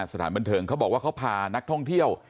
สถานบันเทิงเขาบอกว่าเขาพานักท่องเที่ยว